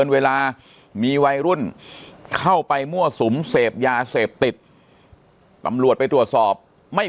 เวลามีวัยรุ่นเข้าไปมั่วสุมเสพยาเสพติดตำรวจไปตรวจสอบไม่